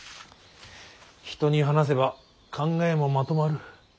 人に話せば考えもまとまる。